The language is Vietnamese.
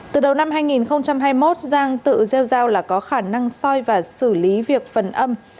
từ đầu năm hai nghìn hai mươi một giang tự gieo giao là có khả năng soi và xử lý việc phần âm